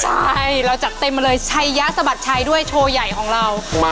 ใช่เราจัดเต็มมาเลยชัยยะสะบัดชัยด้วยโชว์ใหญ่ของเรา